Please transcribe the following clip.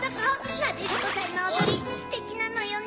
なでしこさんのおどりステキなのよね！